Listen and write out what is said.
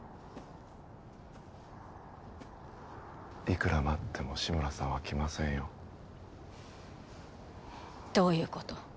いくら待っても志村さんは来ませんよどういうこと？